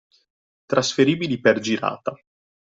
Trasferibili per girata